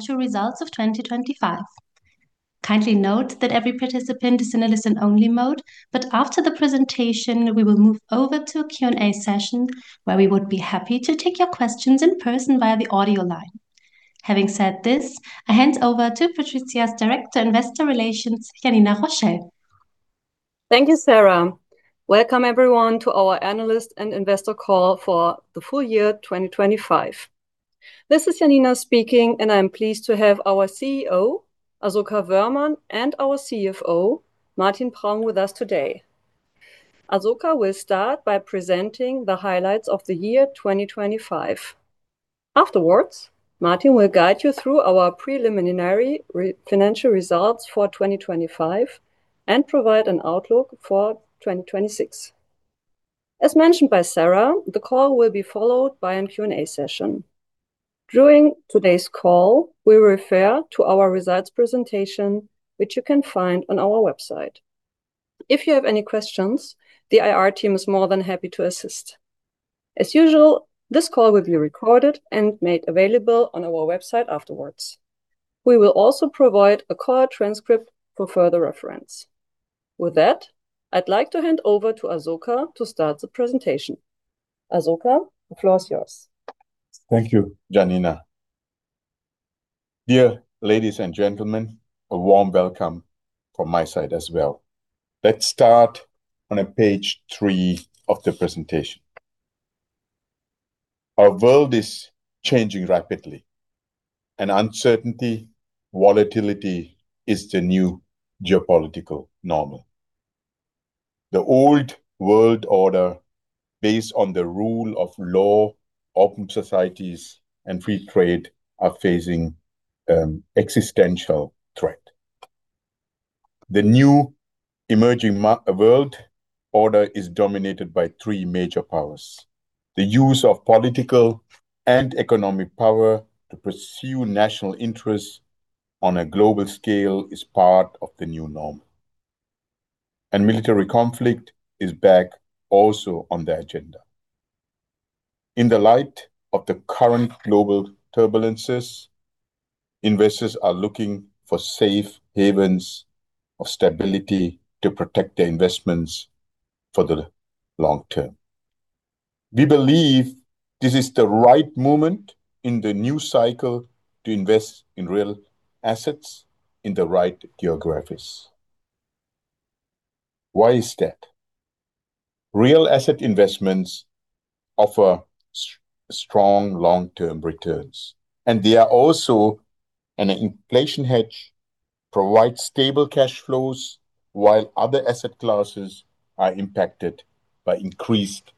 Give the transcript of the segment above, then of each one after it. Financial results of 2025. Kindly note that every participant is in a listen only mode, but after the presentation, we will move over to a Q&A session where we would be happy to take your questions in person via the audio line. Having said this, I hand over to PATRIZIA's Director Investor Relations, Janina Rochell. Thank you, Sarah. Welcome, everyone, to our analyst and investor call for the full year 2025. This is Janina speaking, and I am pleased to have our CEO, Asoka Wöhrmann, and our CFO, Martin Praum, with us today. Asoka will start by presenting the highlights of the year 2025. Afterwards, Martin will guide you through our preliminary financial results for 2025 and provide an outlook for 2026. As mentioned by Sarah, the call will be followed by an Q&A session. During today's call, we refer to our results presentation which you can find on our website. If you have any questions, the IR team is more than happy to assist. As usual, this call will be recorded and made available on our website afterwards. We will also provide a call transcript for further reference. With that, I'd like to hand over to Asoka to start the presentation. Asoka, the floor is yours. Thank you, Janina. Dear ladies and gentlemen, a warm welcome from my side as well. Let's start on Page 3 of the presentation. Our world is changing rapidly, uncertainty, volatility is the new geopolitical normal. The old world order, based on the rule of law, open societies, and free trade, are facing existential threat. The new emerging world order is dominated by three major powers. The use of political and economic power to pursue national interests on a global scale is part of the new norm. Military conflict is back also on the agenda. In the light of the current global turbulences, investors are looking for safe havens of stability to protect their investments for the long term. We believe this is the right moment in the new cycle to invest in real assets in the right geographies. Why is that? Real asset investments offer strong long-term returns. They are also an inflation hedge, provide stable cash flows while other asset classes are impacted by increased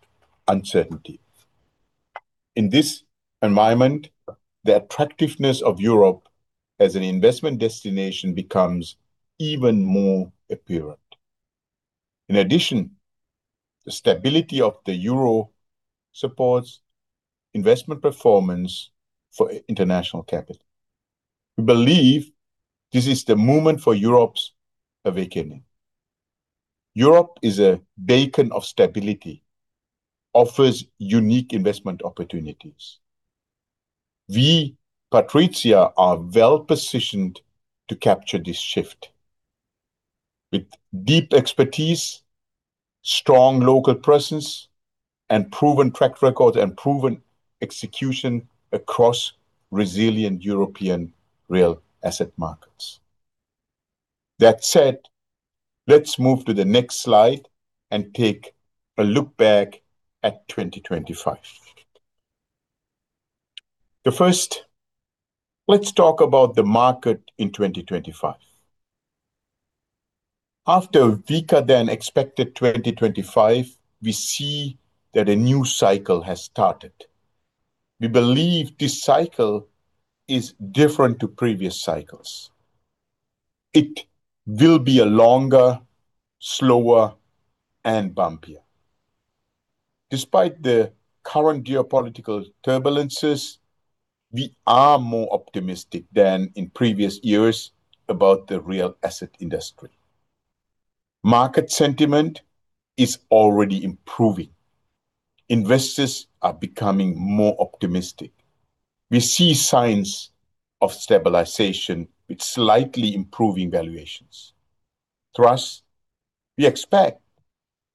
uncertainty. In this environment, the attractiveness of Europe as an investment destination becomes even more apparent. In addition, the stability of the euro supports investment performance for international capital. We believe this is the moment for Europe's awakening. Europe is a beacon of stability, offers unique investment opportunities. We, PATRIZIA, are well-positioned to capture this shift with deep expertise, strong local presence, and proven track record and proven execution across resilient European real asset markets. That said, let's move to the next slide and take a look back at 2025. First, let's talk about the market in 2025. After weaker than expected 2025, we see that a new cycle has started. We believe this cycle is different to previous cycles. It will be longer, slower, and bumpier. Despite the current geopolitical turbulences, we are more optimistic than in previous years about the real asset industry. Market sentiment is already improving. Investors are becoming more optimistic. We see signs of stabilization with slightly improving valuations. Thus, we expect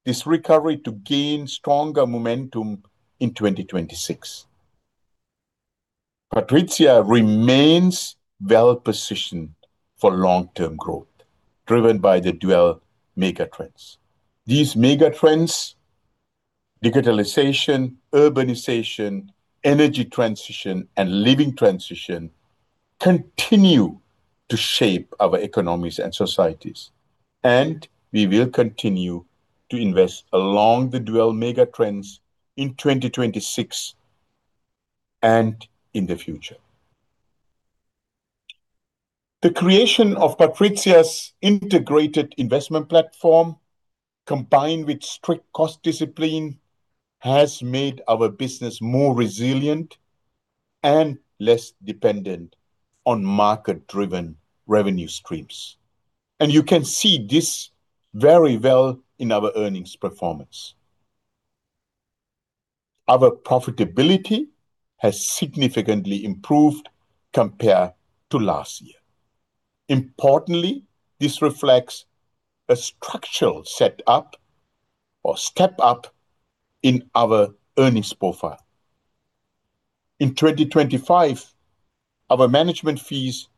this recovery to gain stronger momentum in 2026. PATRIZIA remains well positioned for long-term growth, driven by the dual megatrends. These megatrends, digitalization, urbanization, energy transition, and living transition, continue to shape our economies and societies. We will continue to invest along the dual megatrends in 2026 and in the future. The creation of PATRIZIA's integrated investment platform, combined with strict cost discipline, has made our business more resilient and less dependent on market-driven revenue streams. You can see this very well in our earnings performance. Our profitability has significantly improved compared to last year. Importantly, this reflects a structural set up or step up in our earnings profile. In 2025, our management fees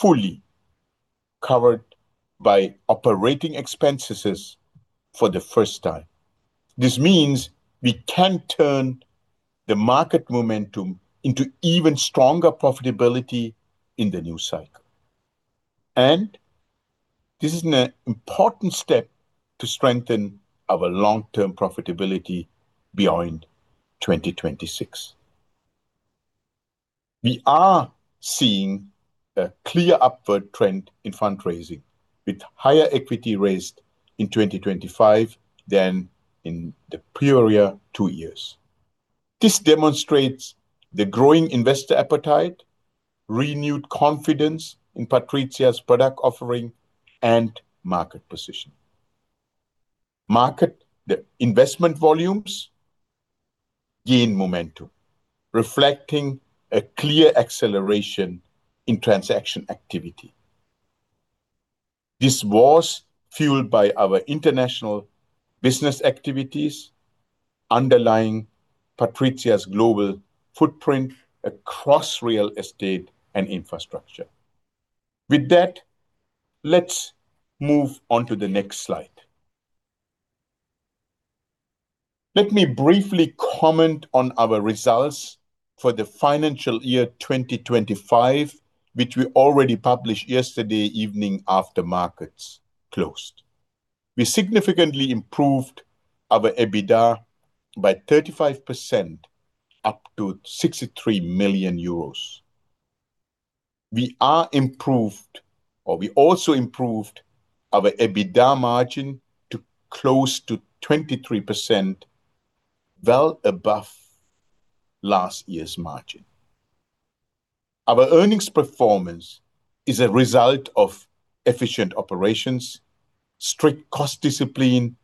fully covered by operating expenses for the first time. This means we can turn the market momentum into even stronger profitability in the new cycle. This is an important step to strengthen our long-term profitability beyond 2026. We are seeing a clear upward trend in fundraising, with higher equity raised in 2025 than in the prior two years. This demonstrates the growing investor appetite, renewed confidence in PATRIZIA's product offering, and market position. The investment volumes gain momentum, reflecting a clear acceleration in transaction activity. This was fueled by our international business activities underlying PATRIZIA's global footprint across real estate and infrastructure. With that, let's move on to the next slide. Let me briefly comment on our results for the financial year 2025, which we already published yesterday evening after markets closed. We significantly improved our EBITDA by 35% up to 63 million euros. We also improved our EBITDA margin to close to 23%, well above last year's margin. Our earnings performance is a result of efficient operations, strict cost discipline,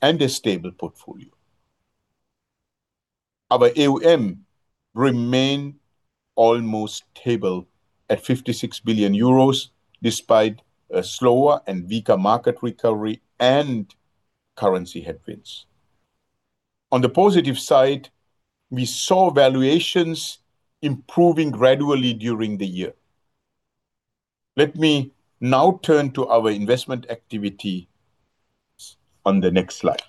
and a stable portfolio. Our AUM remain almost table at 56 billion euros despite a slower and weaker market recovery and currency headwinds. On the positive side, we saw valuations improving gradually during the year. Let me now turn to our investment activities on the next slide.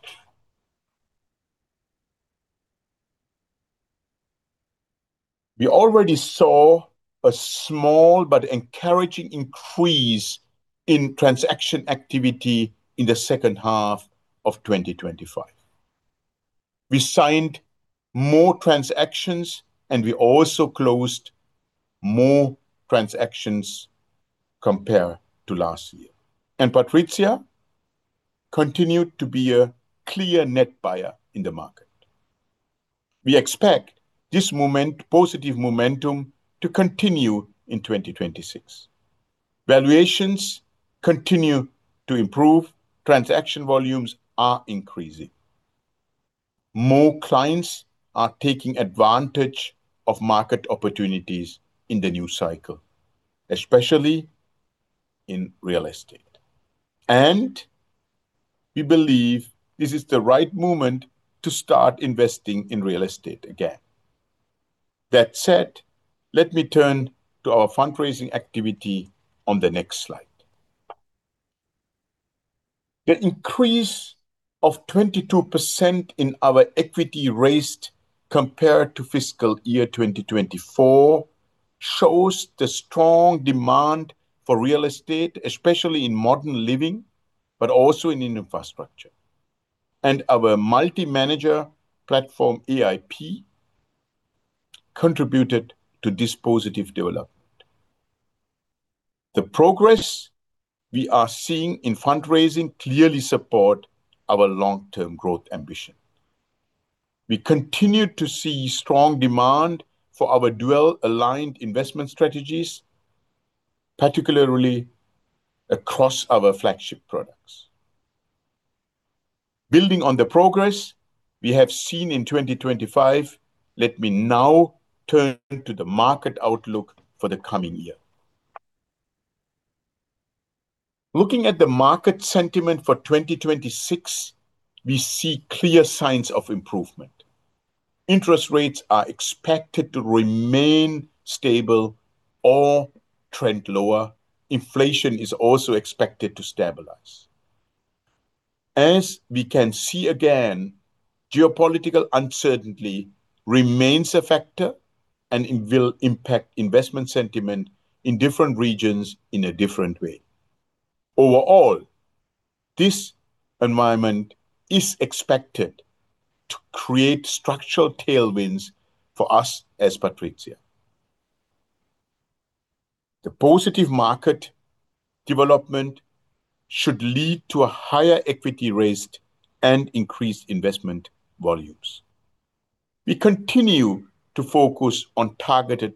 We already saw a small but encouraging increase in transaction activity in the second half of 2025. We signed more transactions, and we also closed more transactions compared to last year. Patrizia continued to be a clear net buyer in the market. We expect this moment, positive momentum to continue in 2026. Valuations continue to improve. Transaction volumes are increasing. More clients are taking advantage of market opportunities in the new cycle, especially in real estate. We believe this is the right moment to start investing in real estate again. That said, let me turn to our fundraising activity on the next slide. The increase of 22% in our equity raised compared to fiscal year 2024 shows the strong demand for real estate, especially in modern living, but also in infrastructure. Our multi-manager platform, AIP, contributed to this positive development. The progress we are seeing in fundraising clearly support our long-term growth ambition. We continue to see strong demand for our dual aligned investment strategies, particularly across our flagship products. Building on the progress we have seen in 2025, let me now turn to the market outlook for the coming year. Looking at the market sentiment for 2026, we see clear signs of improvement. Interest rates are expected to remain stable or trend lower. Inflation is also expected to stabilize. As we can see again, geopolitical uncertainty remains a factor and it will impact investment sentiment in different regions in a different way. Overall, this environment is expected to create structural tailwinds for us as PATRIZIA. The positive market development should lead to a higher equity raised and increased investment volumes. We continue to focus on targeted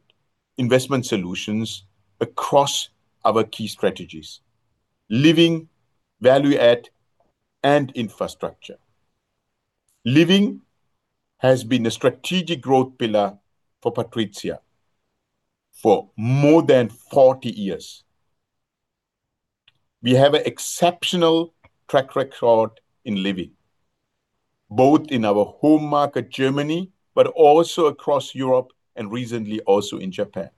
investment solutions across our key strategies. Living value add and infrastructure. Living has been a strategic growth pillar for PATRIZIA for more than 40-years. We have an exceptional track record in living, both in our home market, Germany, but also across Europe and recently also in Japan.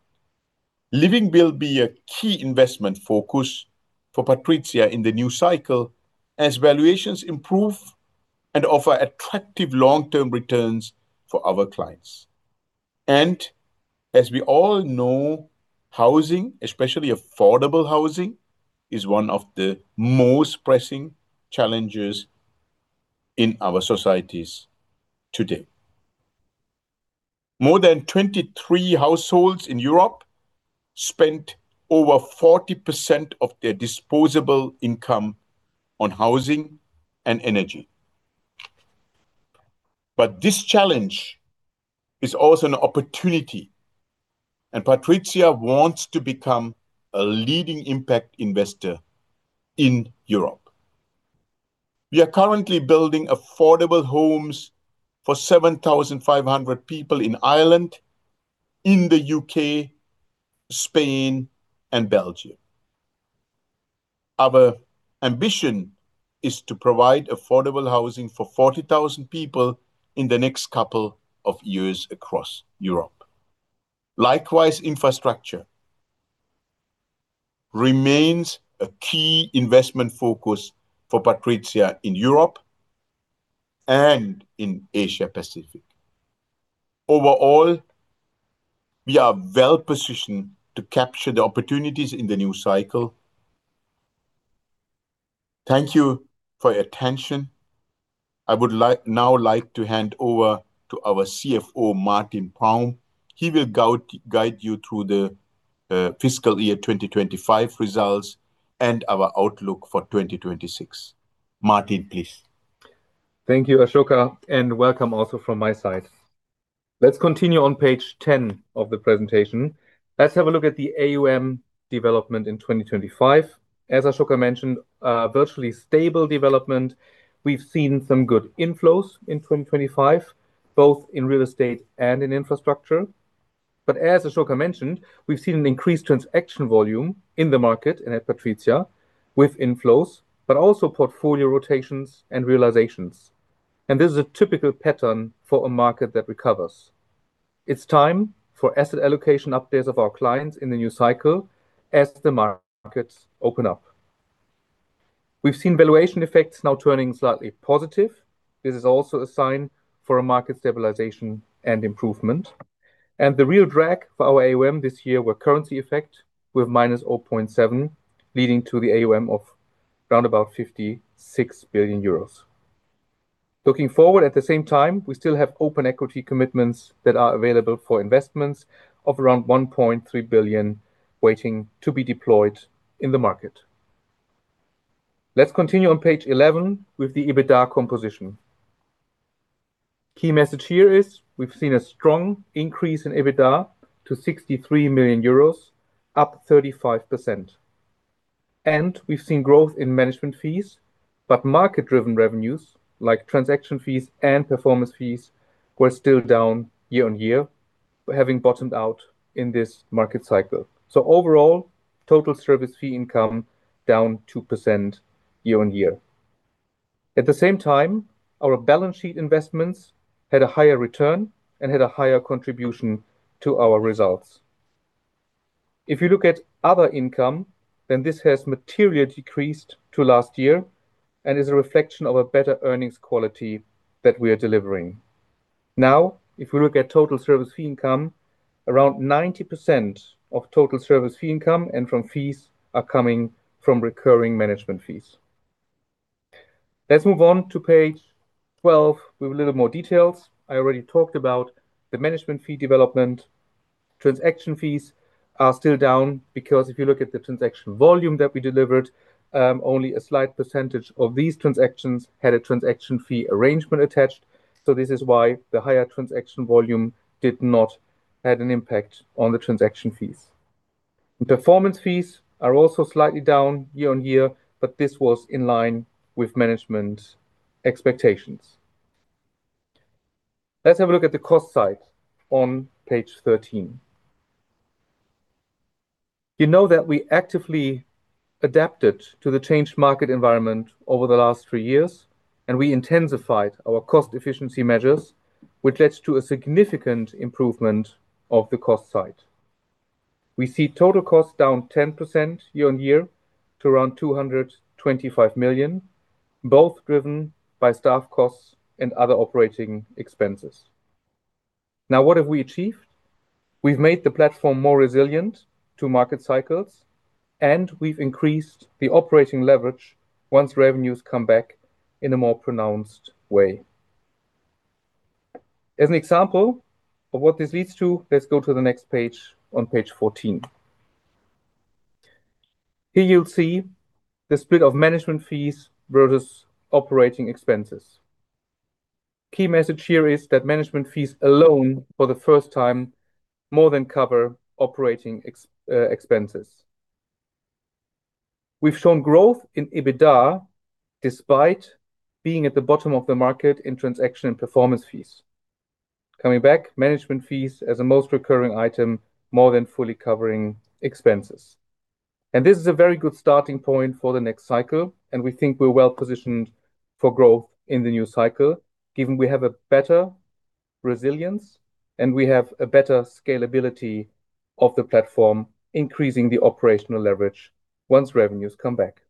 Living will be a key investment focus for PATRIZIA in the new cycle as valuations improve and offer attractive long-term returns for our clients. As we all know, housing, especially affordable housing, is one of the most pressing challenges in our societies today. More than 23 households in Europe spend over 40% of their disposable income on housing and energy. This challenge is also an opportunity, and PATRIZIA wants to become a leading impact investor in Europe. We are currently building affordable homes for 7,500 people in Ireland, in the UK, Spain, and Belgium. Our ambition is to provide affordable housing for 40,000 people in the next couple of years across Europe. Likewise, infrastructure remains a key investment focus for PATRIZIA in Europe and in Asia Pacific. We are well-positioned to capture the opportunities in the new cycle. Thank you for your attention. I would now like to hand over to our CFO, Martin Praum. He will guide you through the fiscal year 2025 results and our outlook for 2026. Martin, please. Thank you, Asoka, and welcome also from my side. Let's continue on Page 10 of the presentation. Let's have a look at the AUM development in 2025. As Asoka mentioned, a virtually stable development. We've seen some good inflows in 2025, both in real estate and in infrastructure. As Asoka mentioned, we've seen an increased transaction volume in the market and at PATRIZIA with inflows, but also portfolio rotations and realizations. This is a typical pattern for a market that recovers. It's time for asset allocation updates of our clients in the new cycle as the markets open up. We've seen valuation effects now turning slightly positive. This is also a sign for a market stabilization and improvement. The real drag for our AUM this year were currency effect with -0.7, leading to the AUM of around about 56 billion euros. Looking forward, at the same time, we still have open equity commitments that are available for investments of around 1.3 billion waiting to be deployed in the market. Let's continue on Page 11 with the EBITDA composition. Key message here is we've seen a strong increase in EBITDA to 63 million euros, up 35%. We've seen growth in management fees, but market-driven revenues, like transaction fees and performance fees, were still down year-on-year, having bottomed out in this market cycle. Overall, total service fee income down 2% year-on-year. At the same time, our balance sheet investments had a higher return and had a higher contribution to our results. If you look at other income, then this has materially decreased to last year and is a reflection of a better earnings quality that we are delivering. If we look at total service fee income, around 90% of total service fee income and from fees are coming from recurring management fees. Let's move on to Page 12 with a little more details. I already talked about the management fee development. Transaction fees are still down because if you look at the transaction volume that we delivered, only a slight percentage of these transactions had a transaction fee arrangement attached. This is why the higher transaction volume did not have an impact on the transaction fees. Performance fees are also slightly down year-over-year, this was in line with management expectations. Let's have a look at the cost side on Page 13. You know that we actively adapted to the changed market environment over the last three years. We intensified our cost efficiency measures, which leads to a significant improvement of the cost side. We see total costs down 10% year on year to around 225 million, both driven by staff costs and other operating expenses. What have we achieved? We've made the platform more resilient to market cycles, and we've increased the operating leverage once revenues come back in a more pronounced way. As an example of what this leads to, let's go to the next page on Page 14. Here you'll see the split of management fees versus operating expenses. Key message here is that management fees alone for the first time more than cover operating expenses. We've shown growth in EBITDA despite being at the bottom of the market in transaction and performance fees. Coming back, management fees as a most recurring item more than fully covering expenses. This is a very good starting point for the next cycle, and we think we're well positioned for growth in the new cycle, given we have a better resilience and we have a better scalability of the platform, increasing the operational leverage once revenues come back.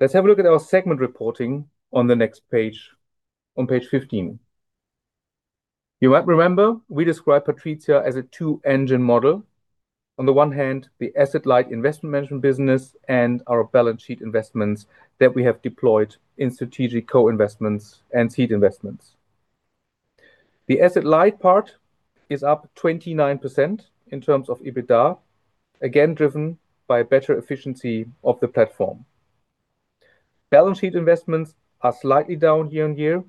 Let's have a look at our segment reporting on the next page, on Page 15. You might remember we described PATRIZIA as a two-engine model. On the one hand, the asset-light investment management business and our balance sheet investments that we have deployed in strategic co-investments and seed investments. The asset-light part is up 29% in terms of EBITDA, again, driven by better efficiency of the platform. Balance sheet investments are slightly down year-on-year.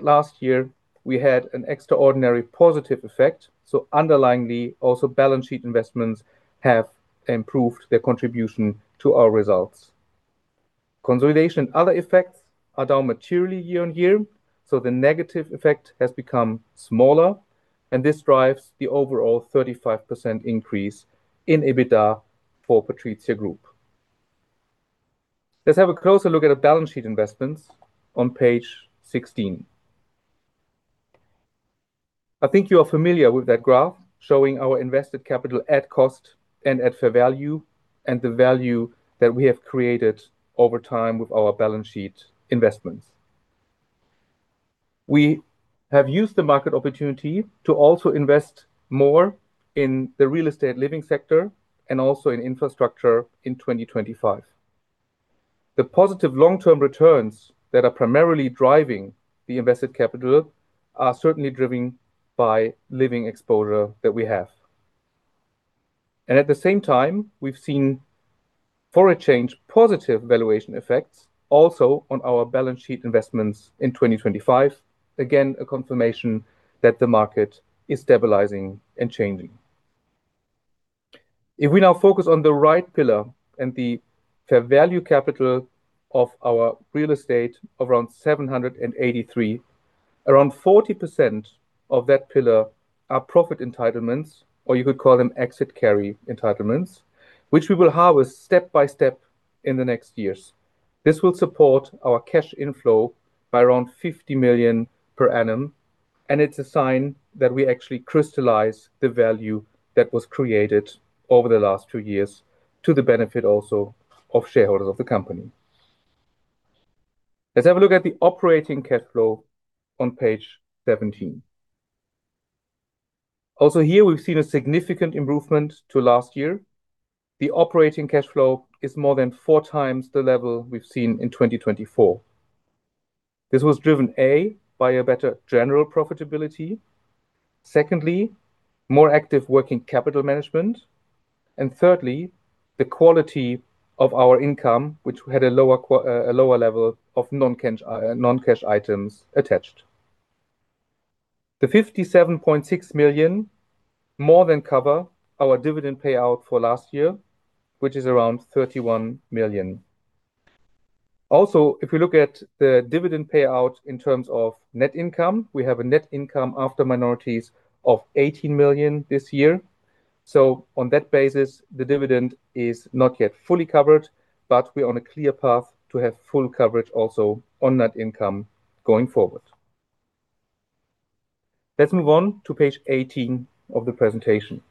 Last year we had an extraordinary positive effect, underlyingly also balance sheet investments have improved their contribution to our results. Consolidation other effects are down materially year-on-year. The negative effect has become smaller, this drives the overall 35% increase in EBITDA for PATRIZIA Group. Let's have a closer look at the balance sheet investments on Page 16. I think you are familiar with that graph showing our invested capital at cost and at fair value, and the value that we have created over time with our balance sheet investments. We have used the market opportunity to also invest more in the real estate living sector and also in infrastructure in 2025. The positive long-term returns that are primarily driving the invested capital are certainly driven by living exposure that we have. At the same time, we've seen foreign change positive valuation effects also on our balance sheet investments in 2025. Again, a confirmation that the market is stabilizing and changing. If we now focus on the right pillar and the fair value capital of our real estate around 783, around 40% of that pillar are profit entitlements, or you could call them exit carry entitlements, which we will harvest step by step in the next years. This will support our cash inflow by around 50 million per annum, and it's a sign that we actually crystallize the value that was created over the last two years to the benefit also of shareholders of the company. Let's have a look at the operating cash flow on Page 17. Also here, we've seen a significant improvement to last year. The operating cash flow is more than four times the level we've seen in 2024. This was driven, A, by a better general profitability. Secondly, more active working capital management. Thirdly, the quality of our income, which had a lower level of non-cash items attached. The 57.6 million more than cover our dividend payout for last year, which is around 31 million. If you look at the dividend payout in terms of net income, we have a net income after minorities of 18 million this year. On that basis, the dividend is not yet fully covered, but we're on a clear path to have full coverage also on net income going forward. Let's move on to Page 18 of the presentation.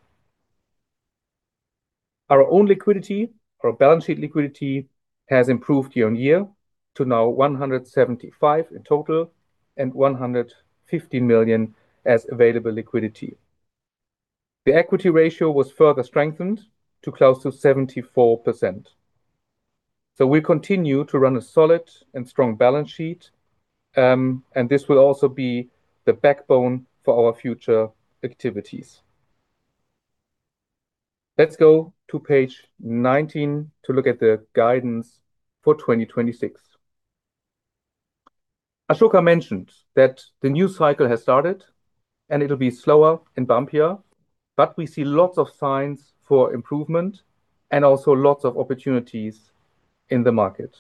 Our own liquidity or balance sheet liquidity has improved year on year to now 175 in total and 150 million as available liquidity. The equity ratio was further strengthened to close to 74%. We continue to run a solid and strong balance sheet, and this will also be the backbone for our future activities. Let's go to Page 19 to look at the guidance for 2026. Asoka mentioned that the new cycle has started, and it'll be slower and bumpier, but we see lots of signs for improvement and also lots of opportunities in the market.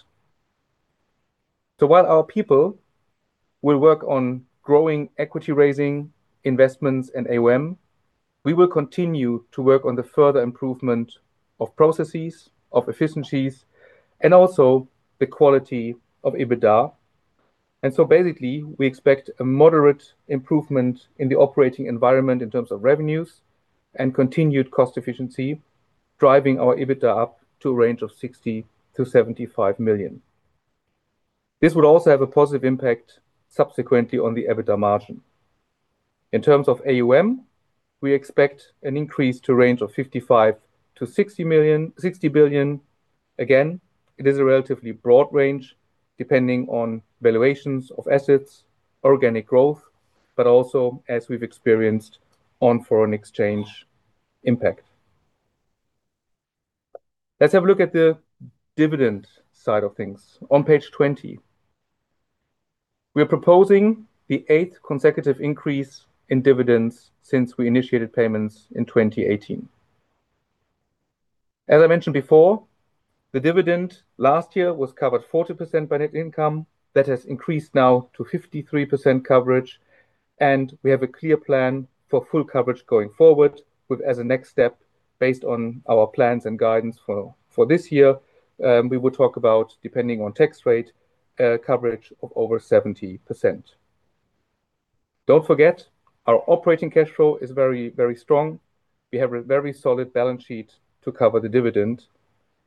While our people will work on growing equity raising investments and AUM, we will continue to work on the further improvement of processes, of efficiencies, and also the quality of EBITDA. Basically, we expect a moderate improvement in the operating environment in terms of revenues and continued cost efficiency, driving our EBITDA up to a range of 60 million-75 million. This will also have a positive impact subsequently on the EBITDA margin. In terms of AUM, we expect an increase to range of 55 billion-60 billion. Again, it is a relatively broad range depending on valuations of assets, organic growth, but also as we've experienced on foreign exchange impact. Let's have a look at the dividend side of things on Page 20. We are proposing the eighth consecutive increase in dividends since we initiated payments in 2018. As I mentioned before, the dividend last year was covered 40% by net income. That has increased now to 53% coverage. We have a clear plan for full coverage going forward with as a next step based on our plans and guidance for this year, we will talk about depending on tax rate, coverage of over 70%. Don't forget, our operating cash flow is very, very strong. We have a very solid balance sheet to cover the dividend.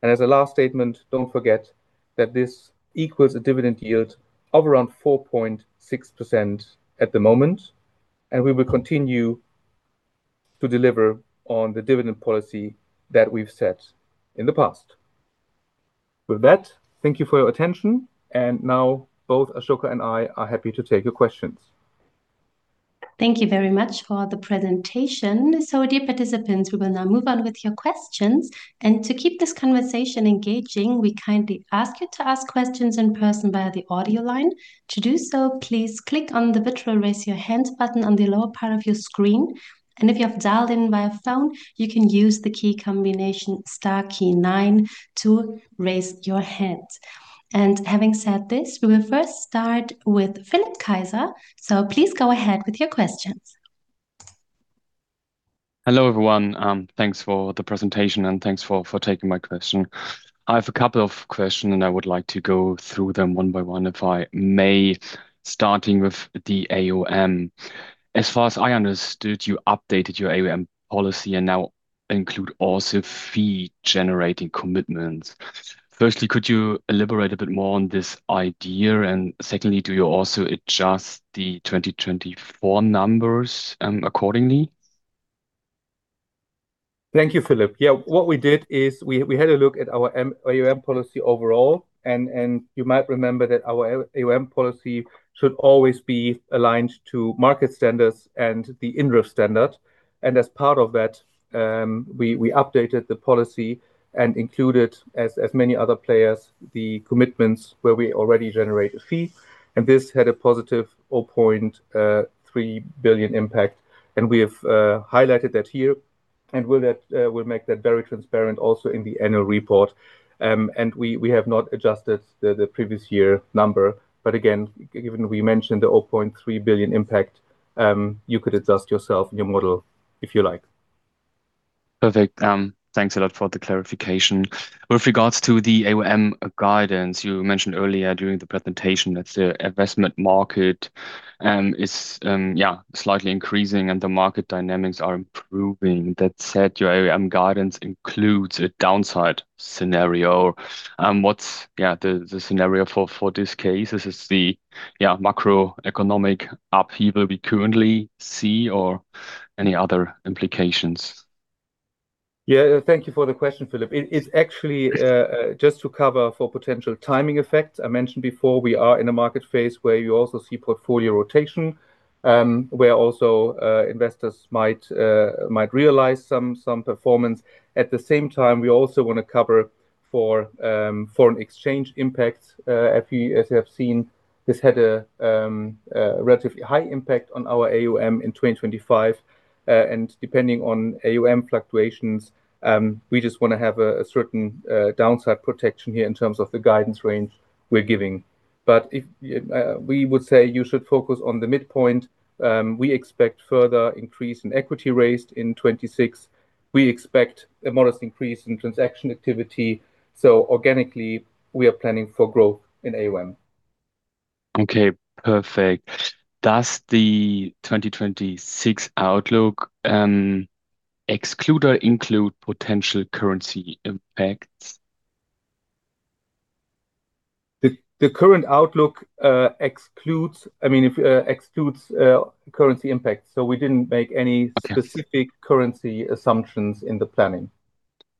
As a last statement, don't forget that this equals a dividend yield of around 4.6% at the moment, and we will continue to deliver on the dividend policy that we've set in the past. With that, thank you for your attention, and now both Asoka and I are happy to take your questions. Thank you very much for the presentation. Dear participants, we will now move on with your questions. To keep this conversation engaging, we kindly ask you to ask questions in person via the audio line. To do so, please click on the virtual Raise Your Hand button on the lower part of your screen. If you have dialed in via phone, you can use the key combination star key 9 to raise your hand. Having said this, we will first start with Philipp Kaiser. Please go ahead with your questions. Hello, everyone. Thanks for the presentation and thanks for taking my question. I have a couple of question. I would like to go through them one by one if I may, starting with the AUM. As far as I understood, you updated your AUM policy and now include also fee-generating commitments. Firstly, could you elaborate a bit more on this idea? Secondly, do you also adjust the 2024 numbers accordingly? Thank you, Philipp. What we did is we had a look at our AUM policy overall and you might remember that our AUM policy should always be aligned to market standards and the INREV standard. As part of that, we updated the policy and included as many other players, the commitments where we already generate a fee, and this had a positive 0.3 billion impact. We have highlighted that here, and we'll make that very transparent also in the annual report. We have not adjusted the previous year number, but again, given we mentioned the 0.3 billion impact, you could adjust yourself in your model if you like. Perfect. Thanks a lot for the clarification. With regards to the AUM guidance, you mentioned earlier during the presentation that the investment market is slightly increasing and the market dynamics are improving. That said, your AUM guidance includes a downside scenario. What's the scenario for this case? Is this the macroeconomic upheaval we currently see or any other implications? Yeah, thank you for the question, Philipp. It's actually just to cover for potential timing effects. I mentioned before we are in a market phase where you also see portfolio rotation, where also investors might realize some performance. We also wanna cover for foreign exchange impacts, as you have seen this had a relatively high impact on our AUM in 2025. Depending on AUM fluctuations, we just wanna have a certain downside protection here in terms of the guidance range we're giving. If we would say you should focus on the midpoint. We expect further increase in equity raised in 2026. We expect a modest increase in transaction activity, organically we are planning for growth in AUM. Okay. Perfect. Does the 2026 outlook exclude or include potential currency impacts? The current outlook, I mean, excludes currency impacts, so we didn't make any. Okay. Specific currency assumptions in the planning.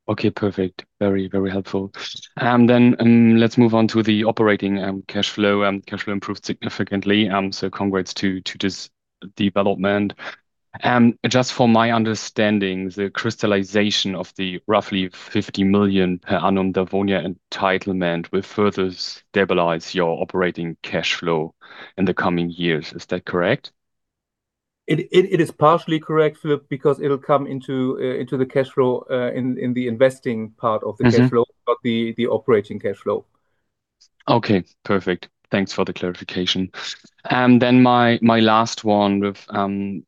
Okay. Perfect. Very, very helpful. Let's move on to the operating cash flow. Cash flow improved significantly, so congrats to this development. Just for my understanding, the crystallization of the roughly 50 million per annum Dawonia entitlement will further stabilize your operating cash flow in the coming years. Is that correct? It is partially correct, Philipp, because it'll come into the cash flow in the investing part of the cash flow. Mm-hmm. Not the operating cash flow. Okay. Perfect. Thanks for the clarification. My last one with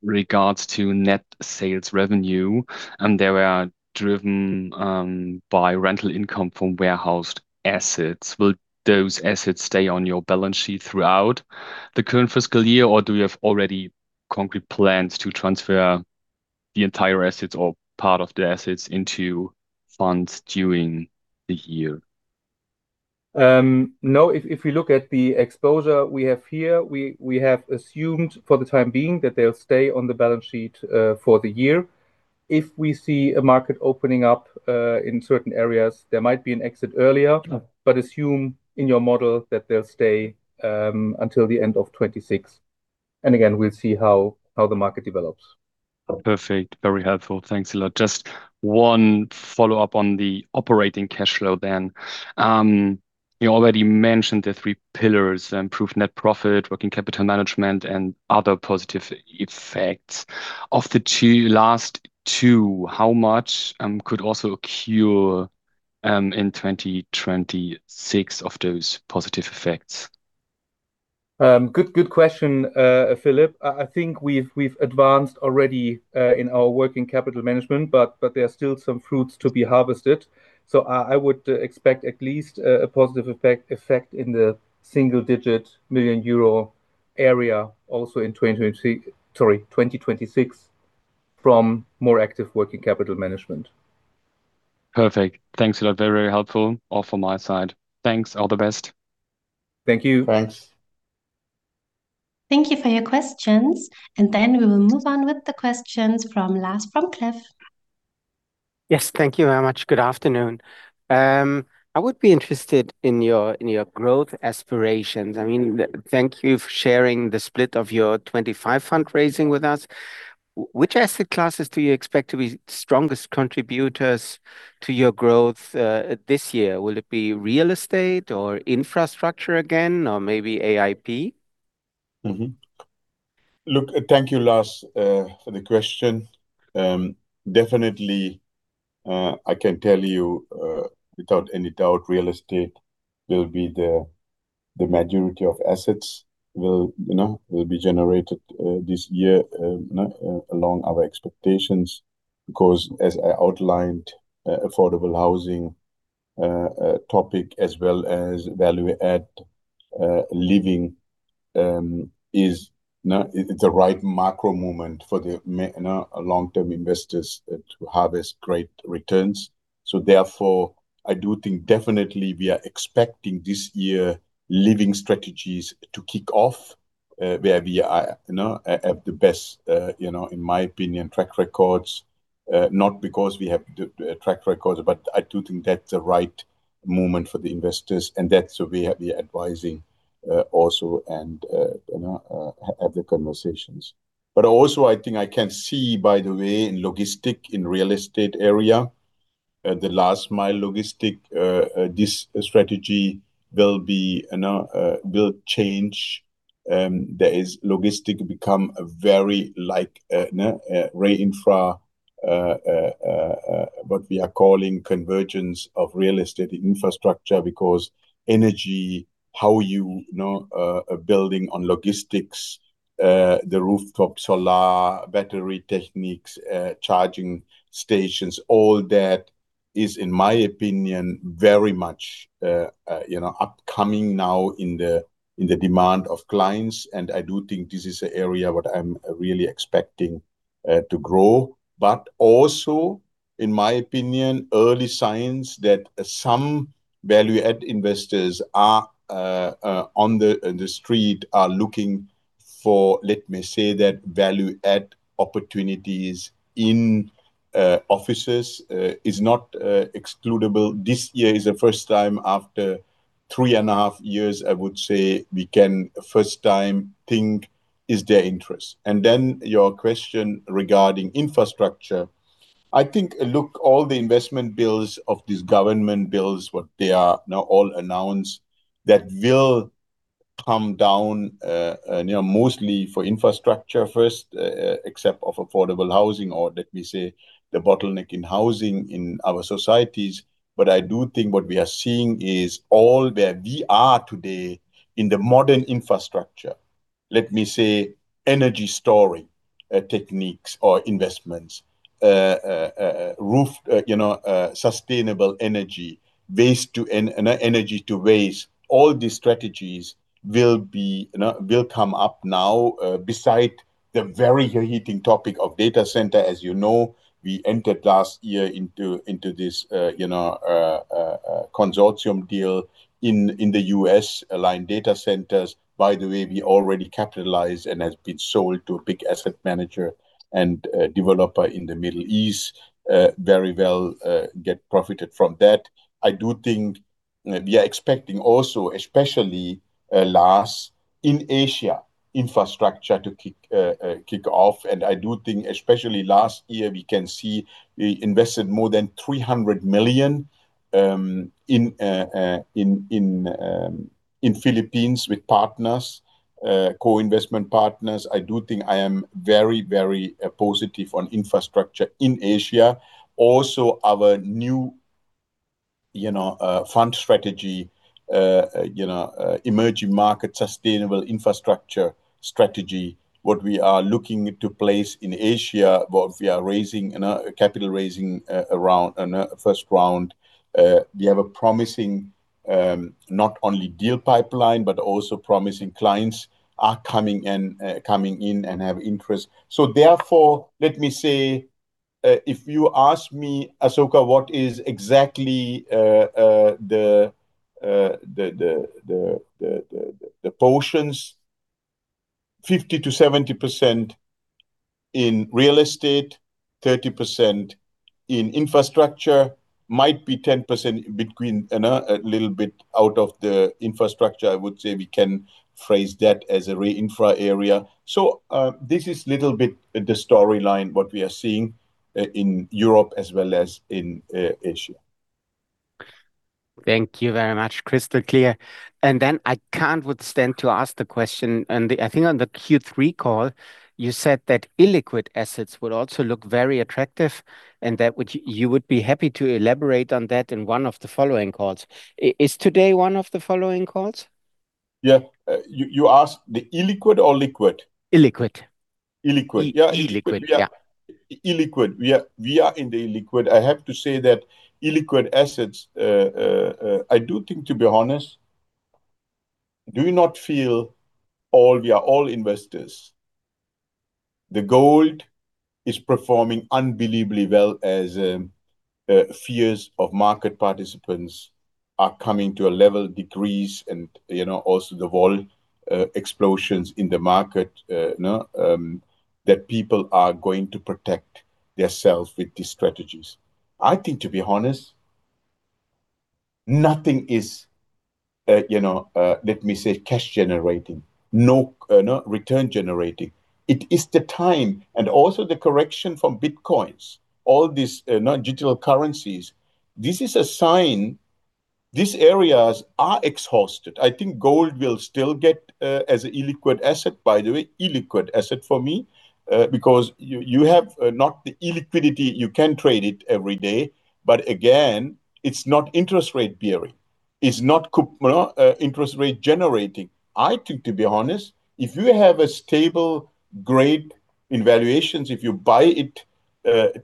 regards to net sales revenue, and they were driven by rental income from warehoused assets. Will those assets stay on your balance sheet throughout the current fiscal year, or do you have already concrete plans to transfer the entire assets or part of the assets into funds during the year? no. If we look at the exposure we have here, we have assumed for the time being that they'll stay on the balance sheet for the year. If we see a market opening up in certain areas, there might be an exit earlier. Oh. Assume in your model that they'll stay until the end of 2026. Again, we'll see how the market develops. Perfect. Very helpful. Thanks a lot. Just one follow-up on the operating cash flow then. You already mentioned the three pillars, improved net profit, working capital management, and other positive effects. Of the two last two, how much could also occur in 2026 of those positive effects? Good question, Philipp. I think we've advanced already in our working capital management, but there are still some fruits to be harvested. I would expect at least a positive effect in the single-digit million euro area also in 2026 from more active working capital management. Perfect. Thanks a lot. Very, very helpful all from my side. Thanks. All the best. Thank you. Thanks. Thank you for your questions, and then we will move on with the questions from Lars from Kempen. Yes, thank you very much. Good afternoon. I would be interested in your growth aspirations. I mean, thank you for sharing the split of your 25 fundraising with us. Which asset classes do you expect to be strongest contributors to your growth this year? Will it be real estate or infrastructure again, or maybe AIP? Look, thank you Lars, for the question. Definitely, I can tell you without any doubt, real estate will be the majority of assets will, you know, be generated this year along our expectations. As I outlined, affordable housing topic as well as value add living is the right macro movement for the long-term investors to harvest great returns. Therefore, I do think definitely we are expecting this year living strategies to kick off, where we are, you know, have the best, you know, in my opinion, track records. Not because we have the track records, but I do think that's the right moment for the investors, and that's where we are advising also and, you know, have the conversations. I think I can see by the way in logistics, in real estate area, the last mile logistics, this strategy will be, you know, will change, that is logistics become very like RE-Infra, what we are calling convergence of real estate infrastructure because energy, how you know, building on logistics, the rooftop solar, battery techniques, charging stations, all that is, in my opinion, very much, you know, upcoming now in the demand of clients. I do think this is a area what I'm really expecting to grow. In my opinion, early signs that some value add investors are on the street are looking for, let me say that value add opportunities in offices is not excludable. This year is the first time after three and a half years, I would say, we can first time think is there interest. Your question regarding infrastructure. I think, look, all the investment bills of this government bills, what they are now all announced that will come down, you know, mostly for infrastructure first, except of affordable housing, or let me say, the bottleneck in housing in our societies. I do think what we are seeing is all where we are today in the modern infrastructure. Let me say energy storing, techniques or investments, roof, you know, sustainable energy, waste to energy to waste. All these strategies will be, you know, will come up now, beside the very heating topic of data center. As you know, we entered last year into this, you know, consortium deal in the U.S. Aligned Data Centers. By the way, we already capitalized and has been sold to a big asset manager and developer in the Middle East, very well, get profited from that. I do think we are expecting also especially Lars, in Asia, infrastructure to kick off. I do think especially last year, we can see we invested more than 300 million in Philippines with partners, co-investment partners. I do think I am very, very positive on infrastructure in Asia. Our new, you know, fund strategy, you know, emerging market sustainable infrastructure strategy, what we are looking to place in Asia, what we are raising in a capital raising, around an first round. We have a promising, not only deal pipeline, but also promising clients are coming and coming in and have interest. Therefore, let me say, if you ask me, Asoka, what is exactly the portions, 50%-70% in real estate, 30% in infrastructure, might be 10% between, you know, a little bit out of the infrastructure, I would say we can phrase that as a RE-Infra area. This is little bit the storyline what we are seeing in Europe as well as in Asia. Thank you very much. Crystal clear. I can't withstand to ask the question, and I think on the Q3 call you said that illiquid assets would also look very attractive. You would be happy to elaborate on that in one of the following calls. Is today one of the following calls? Yeah. You asked the illiquid or liquid? Illiquid. Illiquid. Yeah. Illiquid. Yeah. Illiquid. We are in the illiquid. I have to say that illiquid assets, I do think, to be honest, do you not feel? We are all investors. The gold is performing unbelievably well as fears of market participants are coming to a level decrease and, you know, also the explosions in the market, you know, that people are going to protect themselves with these strategies. I think, to be honest, nothing is, you know, let me say, cash generating. No return generating. It is the time and also the correction from Bitcoins, all these now digital currencies. This is a sign these areas are exhausted. I think gold will still get as a illiquid asset, by the way, illiquid asset for me, because you have not the illiquidity, you can trade it every day, but again, it's not interest rate bearing. It's not you know, interest rate generating. I think, to be honest, if you have a stable grade in valuations, if you buy it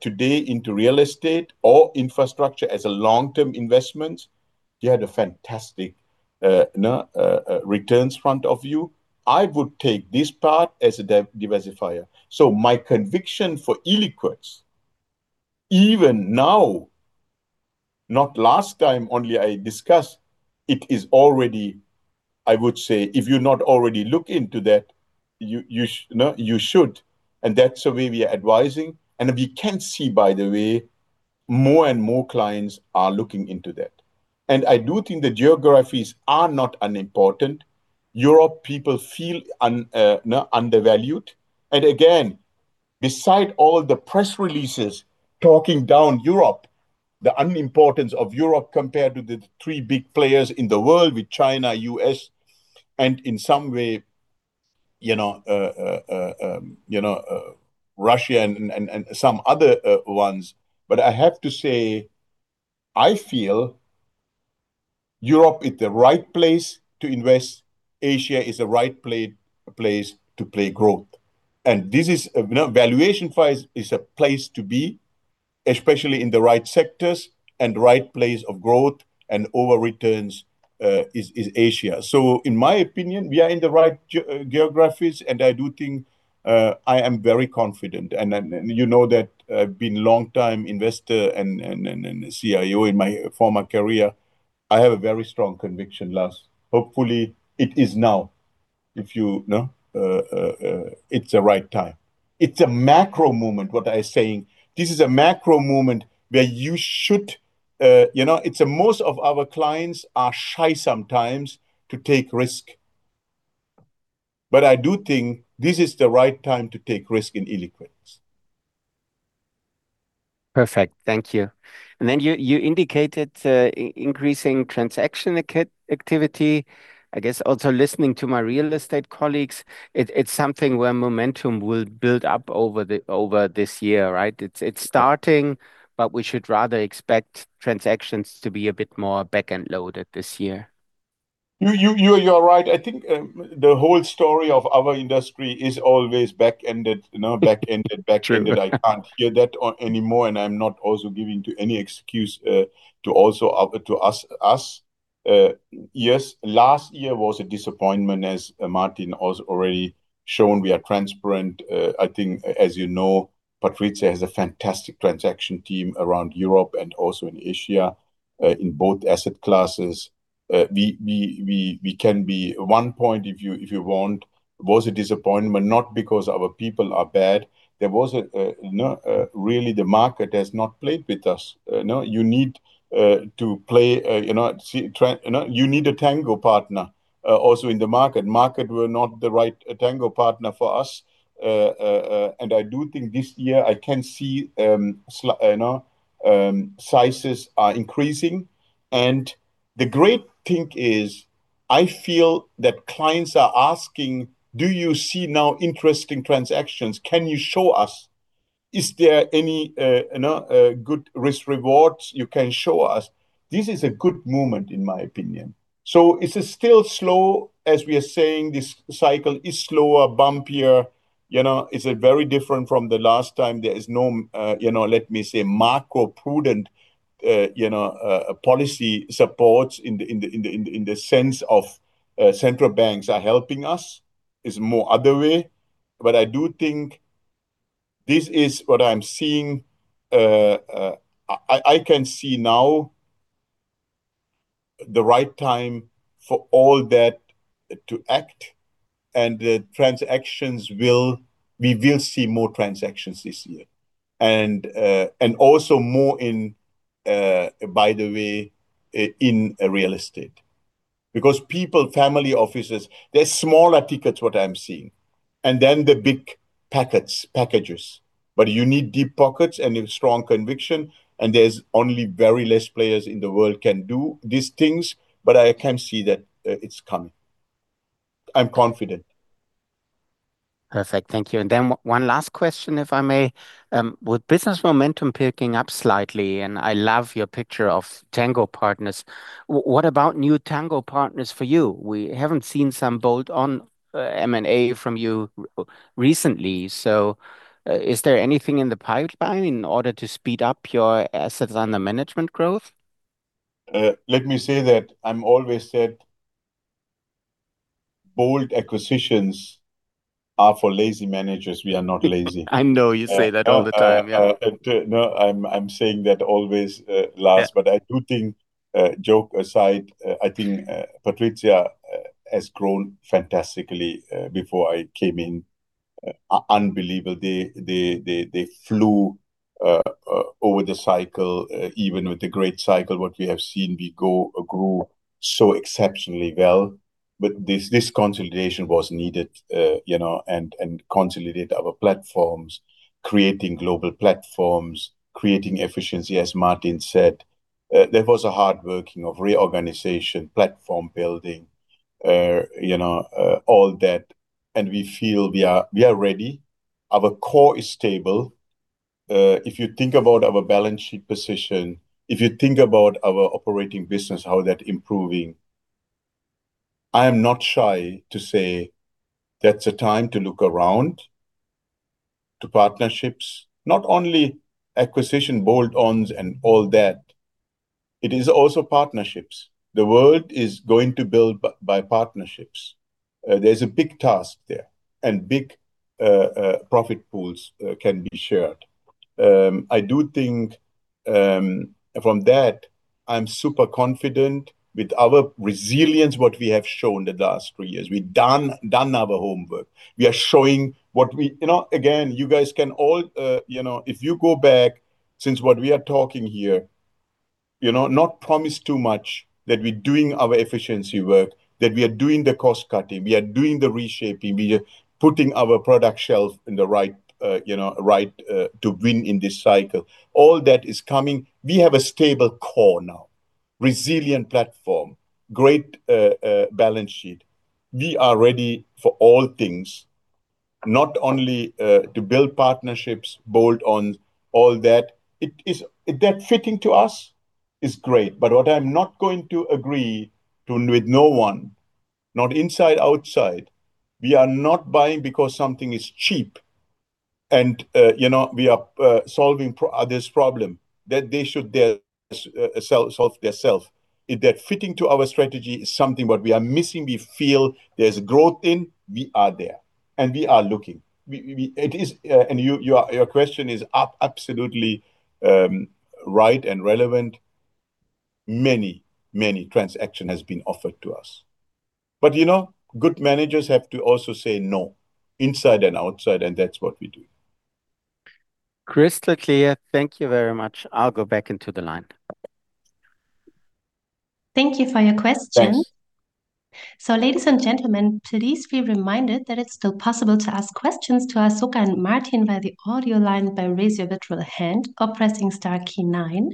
today into real estate or infrastructure as a long-term investment, you had a fantastic, you know, returns front of you. I would take this part as a de-diversifier. My conviction for illiquids, even now, not last time only I discussed, it is already, I would say, if you not already look into that, you know, you should. That's the way we are advising. We can see, by the way, more and more clients are looking into that. I do think the geographies are not unimportant. Europe people feel, you know, undervalued. Again, beside all the press releases talking down Europe, the unimportance of Europe compared to the three big players in the world with China, U.S., and in some way, you know, Russia and some other ones. I have to say, I feel Europe is the right place to invest. Asia is the right place to play growth. This is, you know, valuation-wise is a place to be, especially in the right sectors and right place of growth, and over returns is Asia. In my opinion, we are in the right geographies, and I do think I am very confident. Then you know that I've been long time investor and CIO in my former career. I have a very strong conviction, Lars. Hopefully, it is now, if you know, it's the right time. It's a macro moment, what I saying. This is a macro moment where you should, you know. It's a most of our clients are shy sometimes to take risk. I do think this is the right time to take risk in illiquids. Perfect. Thank you. You indicated increasing transaction activity. I guess also listening to my real estate colleagues, it's something where momentum will build up over this year, right? It's starting, but we should rather expect transactions to be a bit more back-end loaded this year. You're right. I think the whole story of our industry is always back-ended, you know, back-ended. True. I can't hear that anymore. I'm not also giving to any excuse to also to us. Yes, last year was a disappointment, as Martin has already shown. We are transparent. I think as you know, PATRIZIA has a fantastic transaction team around Europe and also in Asia in both asset classes. We can be one point if you, if you want, was a disappointment not because our people are bad. There was a, you know, really the market has not played with us. You know, you need to play, you know, you need a tango partner also in the market. Market were not the right tango partner for us. I do think this year I can see, you know, sizes are increasing. The great thing is I feel that clients are asking, "Do you see now interesting transactions? Can you show us? Is there any, you know, good risk rewards you can show us?" This is a good moment in my opinion. It is still slow, as we are saying, this cycle is slower, bumpier. You know, it's a very different from the last time. There is no, you know, let me say, macro-prudent, you know, policy supports in the sense of central banks are helping us. It's more other way. I do think this is what I'm seeing. I can see now the right time for all that to act, and the transactions will. We will see more transactions this year. Also more in, by the way, in real estate. Because people, family offices, they're smaller tickets what I'm seeing, and then the big packets, packages. You need deep pockets and strong conviction, and there's only very less players in the world can do these things, but I can see that, it's coming. I'm confident. Perfect. Thank you. Then one last question, if I may. With business momentum picking up slightly, and I love your picture of tango partners, what about new tango partners for you? We haven't seen some bolt on M&A from you recently. Is there anything in the pipe buying in order to speed up your assets under management growth? Let me say that I'm always said bold acquisitions are for lazy managers. We are not lazy. I know you say that all the time. Yeah. no, I'm saying that always last. Yeah. I do think, joke aside, I think PATRIZIA has grown fantastically before I came in. Unbelievable. They flew over the cycle. Even with the great cycle, what we have seen, we grew so exceptionally well. This consolidation was needed, you know, and consolidate our platforms, creating global platforms, creating efficiency, as Martin said. There was a hard working of reorganization, platform building, you know, all that, and we feel we are ready. Our core is stable. If you think about our balance sheet position, if you think about our operating business, how that improving, I am not shy to say that's a time to look around to partnerships, not only acquisition, bolt ons and all that. It is also partnerships. The world is going to build by partnerships. There's a big task there, and big profit pools can be shared. I do think from that, I'm super confident with our resilience, what we have shown the last three years. We've done our homework. We are showing what we. You know, again, you guys can all, you know, if you go back since what we are talking here, you know, not promise too much, that we're doing our efficiency work, that we are doing the cost-cutting, we are doing the reshaping, we are putting our product shelf in the right, you know, right, to win in this cycle. All that is coming. We have a stable core now, resilient platform, great balance sheet. We are ready for all things, not only to build partnerships, bolt on all that. If that fitting to us, it's great. What I'm not going to agree to with no one, not inside, outside, we are not buying because something is cheap and, you know, we are solving others problem. That they should, their, solve their self. If that fitting to our strategy is something what we are missing, we feel there's growth in, we are there and we are looking. Your, your question is absolutely right and relevant. Many, many transaction has been offered to us. You know, good managers have to also say no, inside and outside, and that's what we do. Crystal clear. Thank you very much. I'll go back into the line. Thank you for your question. Thanks. Ladies and gentlemen, please be reminded that it's still possible to ask questions to Asoka and Martin via the audio line by raise your virtual hand or pressing star key nine.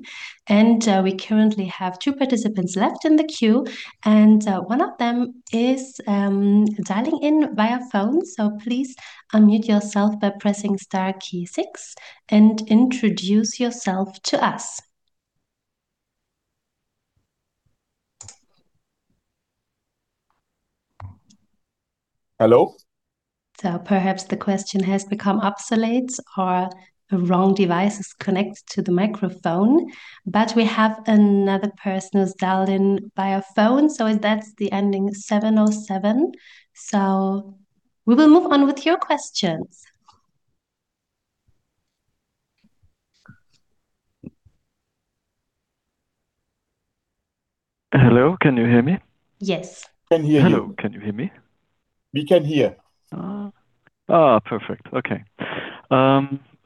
We currently have two participants left in the queue, one of them is dialing in via phone. Please unmute yourself by pressing star key six and introduce yourself to us. Hello? Perhaps the question has become obsolete or a wrong device is connected to the microphone. We have another person who's dialed in via phone. If that's the ending seven zero seven. We will move on with your questions. Hello, can you hear me? Yes. Can hear you. Hello, can you hear me? We can hear. Perfect.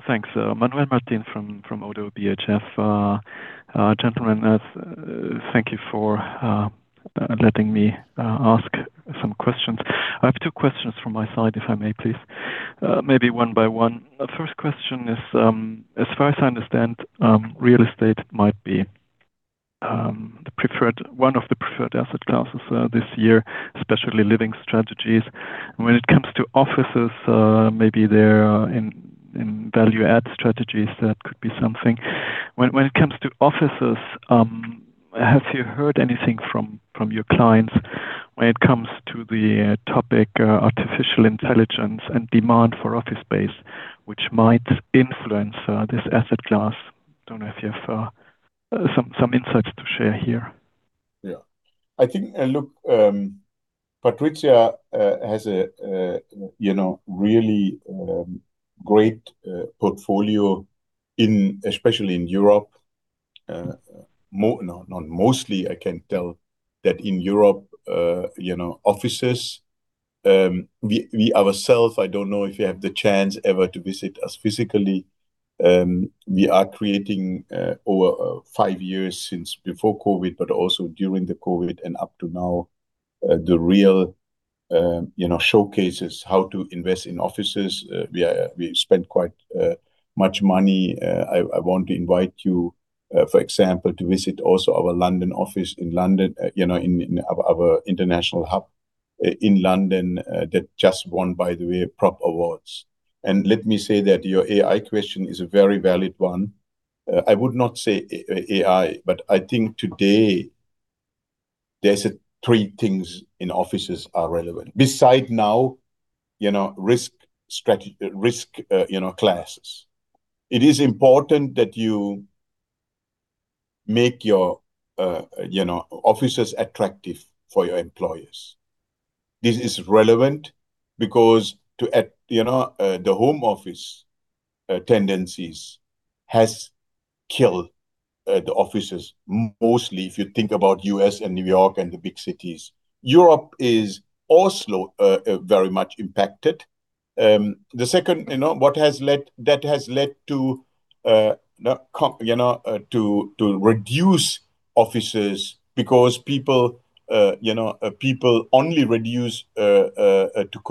Thanks. Manuel Martin from Oddo BHF. Gentlemen, thank you for letting me ask some questions. I have two questions from my side, if I may please. Maybe one by one. The first question is, as far as I understand, real estate might be one of the preferred asset classes this year, especially living strategies. When it comes to offices, maybe they're in value add strategies, that could be something. When it comes to offices, have you heard anything from your clients when it comes to the topic artificial intelligence and demand for office space, which might influence this asset class? I don't know if you have some insights to share here. Yeah. I think, look, PATRIZIA has a, you know, really, great portfolio in, especially in Europe, no, not mostly, I can tell that in Europe, you know, offices. We ourself, I don't know if you have the chance ever to visit us physically. We are creating, over five years since before COVID, but also during the COVID and up to now, the real, you know, showcases how to invest in offices. We spent quite much money. I want to invite you, for example, to visit also our London office in London, you know, in our international hub in London, that just won, by the way, PROPS Awards. Let me say that your AI question is a very valid one. I would not say A-AI, but I think today there's three things in offices are relevant. Beside now, you know, risk, you know, classes. It is important that you make your, you know, offices attractive for your employers. This is relevant because to at, you know, the home office tendencies has killed the offices mostly if you think about U.S. and New York and the big cities. Europe is also very much impacted. The second, you know, that has led to reduce offices because people, you know, people only reduce the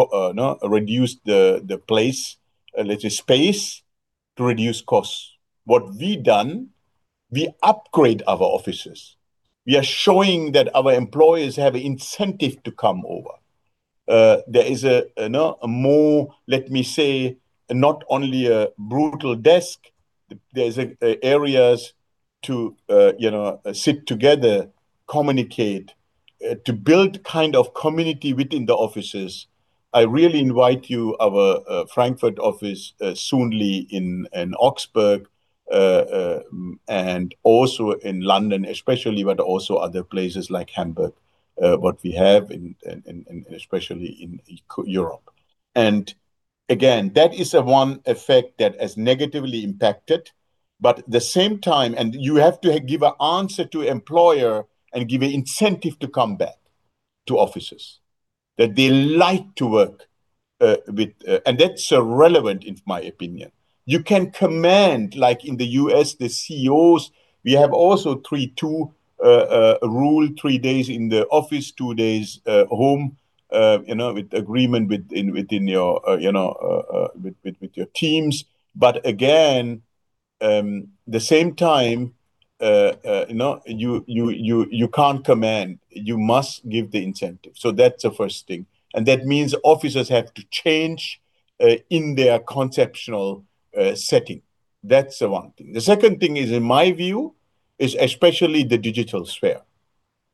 place, let's say space to reduce costs. What we done, we upgrade our offices. We are showing that our employees have incentive to come over. There is a know, a more, let me say, not only a brutal desk, there's areas to, you know, sit together, communicate, to build kind of community within the offices. I really invite you our Frankfurt office, soonly in Augsburg, and also in London especially, but also other places like Hamburg, what we have in especially in Europe. Again, that is a one effect that has negatively impacted, but the same time. You have to give an answer to employer and give an incentive to come back to offices that they like to work, with, and that's relevant in my opinion. You can command, like in the U.S., the CEOs, we have also three, two rule, three days in the office, two days home, you know, with agreement within your, you know, with your teams. Again, the same time, no, you can't command. You must give the incentive. That's the first thing, and that means officers have to change in their conceptional setting. That's the one thing. The second thing is, in my view, is especially the digital sphere,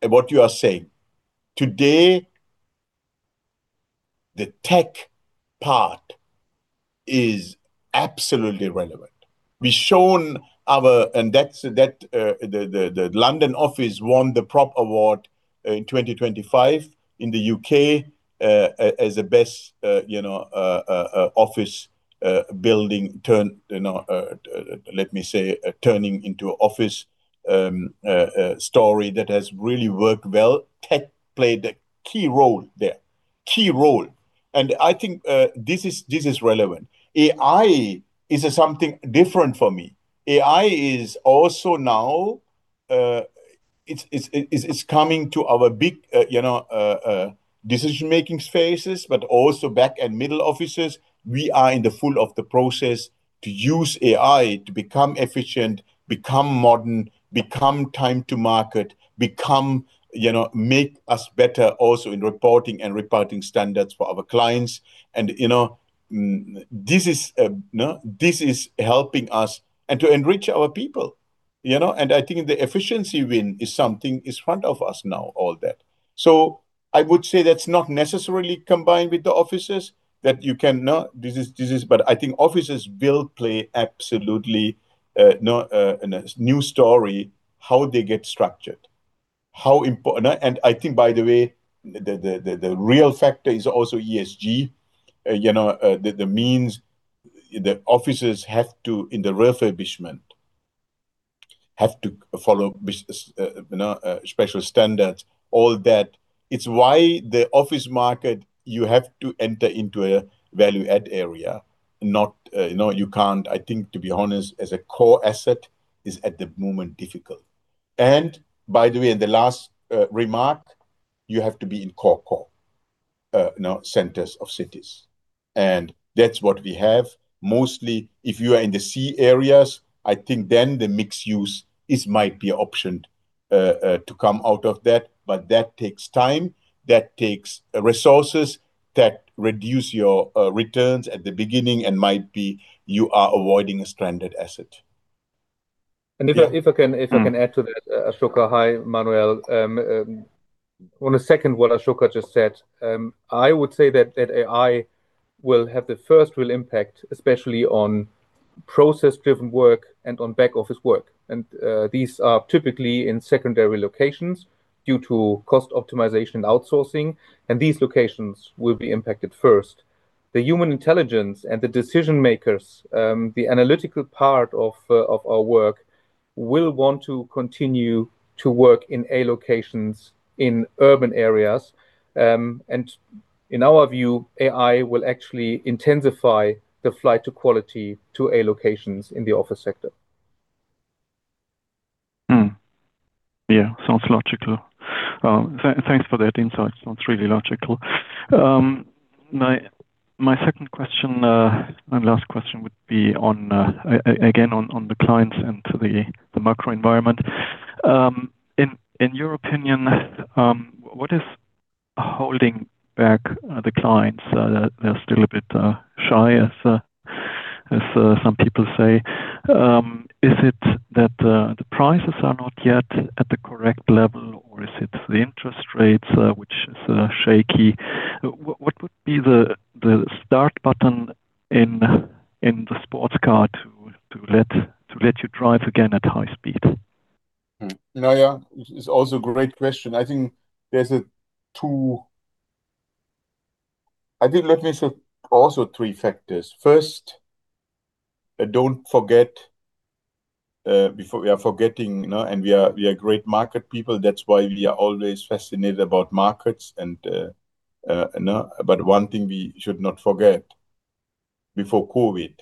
and what you are saying. Today, the tech part is absolutely relevant. We've shown our... That's, that, the London office won the PROPS Award in 2025 in the UK as the best, you know, office building turn, you know, let me say, turning into office story that has really worked well. Tech played a key role there. Key role. I think, this is relevant. AI is something different for me. AI is also now, it's coming to our big, you know, decision-making spaces, but also back and middle offices. We are in the full of the process to use AI to become efficient, become modern, become time to market, become, you know, make us better also in reporting and reporting standards for our clients. You know, this is helping us and to enrich our people, you know? I think the efficiency win is something is front of us now, all that. I would say that's not necessarily combined with the offices that you can this is. I think offices will play absolutely a new story how they get structured, how. And I think by the way, the real factor is also ESG. You know, the means the offices have to, in the refurbishment, have to follow you know, special standards, all that. It's why the office market, you have to enter into a value add area, not, you know, you can't. I think, to be honest, as a core asset is at the moment difficult. By the way, and the last, remark, you have to be in core, you know, centers of cities, and that's what we have. Mostly if you are in the C areas, I think then the mixed use is might be optioned, to come out of that. That takes time, that takes, resources that reduce your, returns at the beginning and might be you are avoiding a stranded asset. If I can add to that, Asoka. Hi, Manuel. On a second what Asoka just said, I would say that AI will have the first real impact, especially on process-driven work and on back office work. These are typically in secondary locations due to cost optimization and outsourcing, and these locations will be impacted first. The human intelligence and the decision-makers, the analytical part of our work will want to continue to work in A locations in urban areas. In our view, AI will actually intensify the flight to quality to A locations in the office sector. Yeah. Sounds logical. Thanks for that insight. Sounds really logical. My, my second question, my last question would be on again, on the clients and to the macro environment. In your opinion, what is holding back the clients? They're still a bit shy as some people say. Is it that the prices are not yet at the correct level, or is it the interest rates which is shaky? What would be the start button in the sports car to let you drive again at high speed? No, yeah. It's also a great question. I think, let me say also three factors. First, don't forget, before we are forgetting, you know, and we are great market people, that's why we are always fascinated about markets and, you know. One thing we should not forget, before COVID,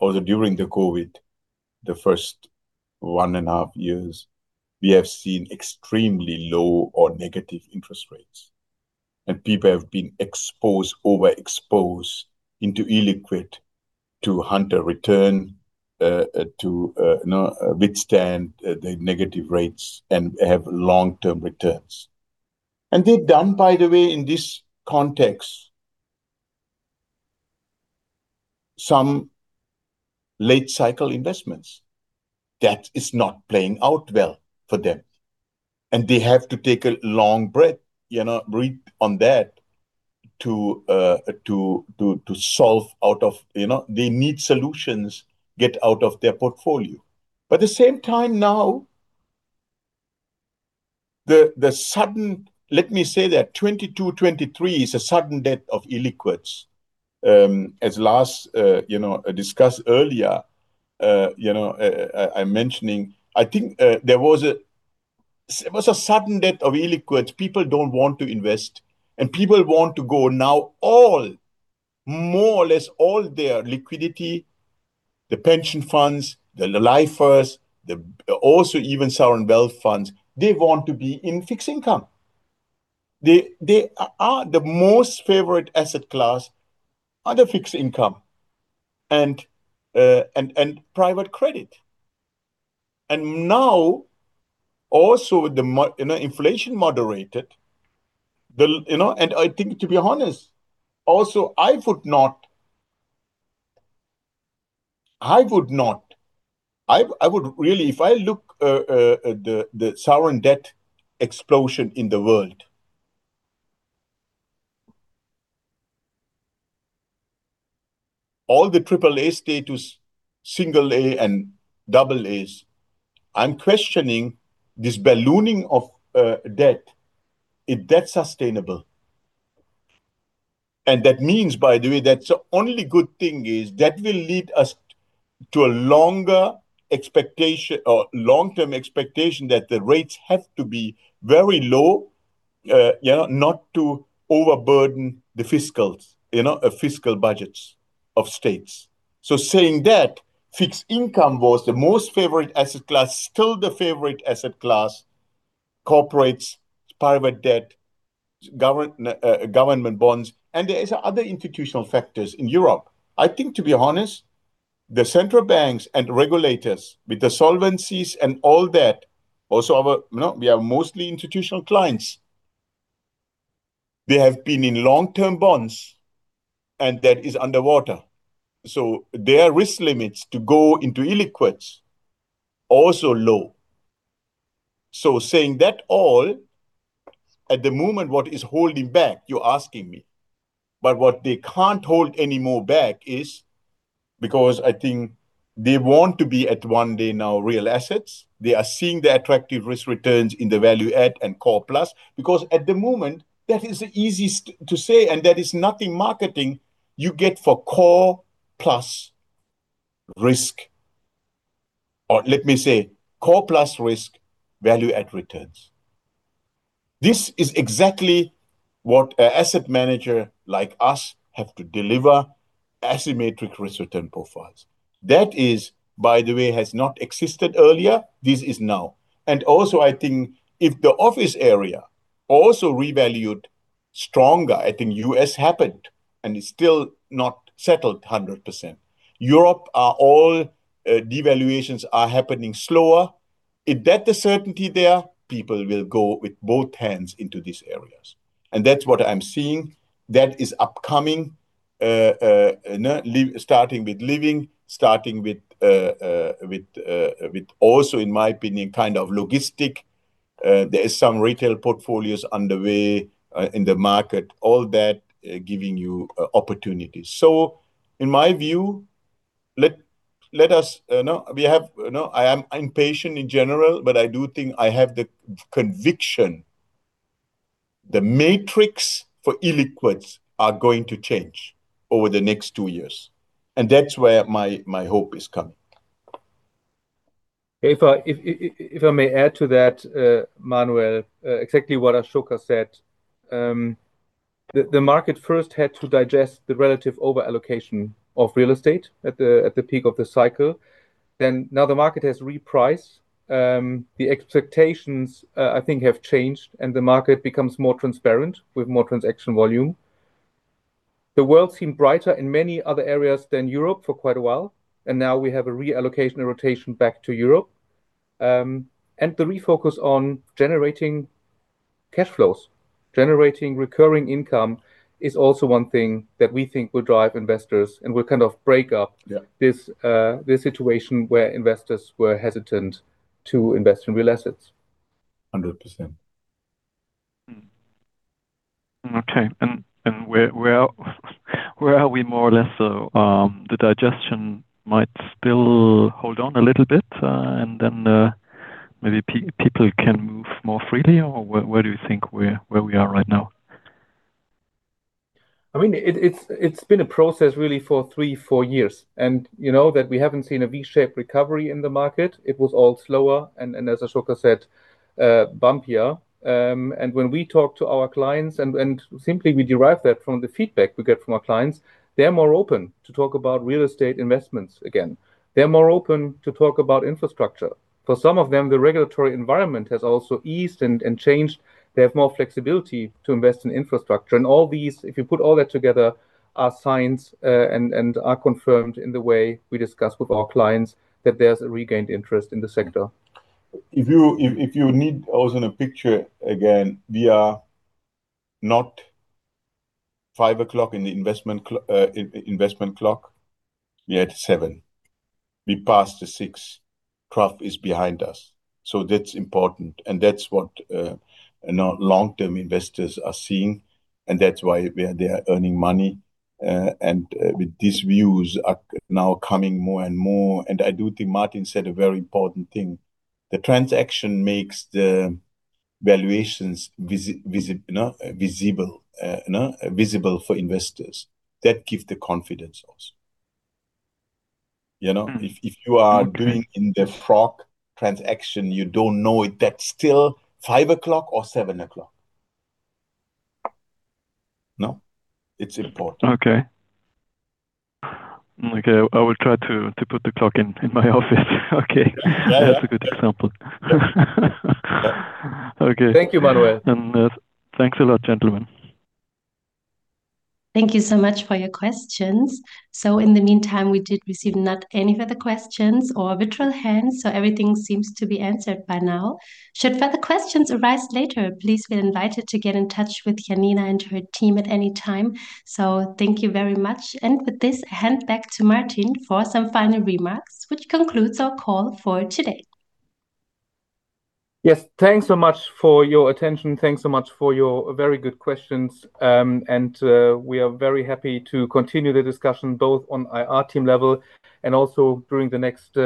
or during the COVID, the first one and a half years, we have seen extremely low or negative interest rates. People have been exposed, overexposed into illiquid to hunt a return, to, you know, withstand the negative rates and have long-term returns. They've done, by the way, in this context, some late cycle investments. That is not playing out well for them. They have to take a long breath, you know, breathe on that to solve out of... You know? They need solutions get out of their portfolio. But at the same time now, the sudden, let me say that 2022, 2023 is a sudden death of illiquids. As last, you know, discussed earlier, you know, I'm mentioning, I think, there was a it was a sudden death of illiquids. People don't want to invest, and people want to go now all, more or less all their liquidity, the pension funds, the lifers, the, also even sovereign wealth funds, they want to be in fixed income. The most favorite asset class are the fixed income and private credit. And now, also with the you know, inflation moderated, the... You know? I think, to be honest, also, I would not, I would really if I look, the sovereign debt explosion in the world. All the AAA status, single A and AAs, I'm questioning this ballooning of debt, is that sustainable? That means, by the way, that the only good thing is that will lead us to a longer expectation or long-term expectation that the rates have to be very low, you know, not to overburden the fiscals, you know, fiscal budgets of states. Saying that, fixed income was the most favorite asset class, still the favorite asset class, corporates, private debt, government bonds, and there is other institutional factors in Europe. I think, to be honest, the central banks and regulators with the Solvency and all that, also our... You know? We have mostly institutional clients. They have been in long-term bonds, and that is underwater. Their risk limits to go into illiquids, also low. Saying that all, at the moment, what is holding back, you're asking me. What they can't hold anymore back is because I think they want to be at one day now real assets. They are seeing the attractive risk returns in the value add and core plus, because at the moment, that is the easiest to say, and that is nothing marketing you get for core plus risk. Let me say, core plus risk value add returns. This is exactly what a asset manager like us have to deliver asymmetric risk return profiles. That, by the way, has not existed earlier. This is now. Also, I think if the office area also revalued stronger, I think U.S. happened, and it's still not settled 100%. Europe are all devaluations are happening slower. If that the certainty there, people will go with both hands into these areas. That's what I'm seeing. That is upcoming. You know, starting with living, starting with also, in my opinion, kind of logistic. There is some retail portfolios underway in the market, all that giving you opportunities. In my view, let us, I am impatient in general, but I do think I have the conviction. The matrix for illiquids are going to change over the next two years, and that's where my hope is coming. If I may add to that, Manuel, exactly what Asoka said. The market first had to digest the relative over allocation of real estate at the peak of the cycle. Now the market has repriced. The expectations, I think have changed, and the market becomes more transparent with more transaction volume. The world seemed brighter in many other areas than Europe for quite a while, and now we have a reallocation, a rotation back to Europe. The refocus on generating cash flows, generating recurring income is also one thing that we think will drive investors and will kind of break up-. Yeah. This situation where investors were hesitant to invest in real assets. 100%. Mm-hmm. Okay. Where are we more or less, so, the digestion might still hold on a little bit, and then, maybe people can move more freely? Or where do you think we're, where we are right now? I mean, it's been a process really for three, four years and, you know, that we haven't seen a V-shaped recovery in the market. It was all slower and as Asoka said, bumpier. When we talk to our clients and simply we derive that from the feedback we get from our clients, they're more open to talk about real estate investments again. They're more open to talk about infrastructure. For some of them, the regulatory environment has also eased and changed. They have more flexibility to invest in infrastructure. All these, if you put all that together, are signs and are confirmed in the way we discuss with our clients that there's a regained interest in the sector. If you need also in a picture again, we are not five o'clock in the investment clock. We are at seven. We passed the six. Trough is behind us. That's important, and that's what, you know, long-term investors are seeing, and that's why we are there earning money. With these views are now coming more and more, and I do think Martin said a very important thing. The transaction makes the valuations, you know, visible, you know, visible for investors. That give the confidence also. You know. Mm-hmm. If you are doing in the Frog transaction, you don't know if that's still five o'clock or seven o'clock. No? It's important. Okay. Okay. I will try to put the clock in my office. Okay. Yeah, yeah. That's a good example. Yeah. Okay. Thank you, Manuel. Thanks a lot, gentlemen. Thank you so much for your questions. In the meantime, we did receive not any further questions or virtual hands, everything seems to be answered by now. Should further questions arise later, please feel invited to get in touch with Janina and her team at any time. Thank you very much. With this, hand back to Martin for some final remarks, which concludes our call for today. Yes. Thanks so much for your attention. Thanks so much for your very good questions. We are very happy to continue the discussion both on IR team level and also during the next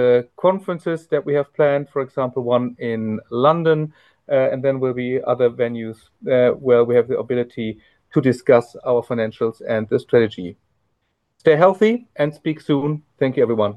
conferences that we have planned, for example, one in London. Will be other venues where we have the ability to discuss our financials and the strategy. Stay healthy and speak soon. Thank you everyone.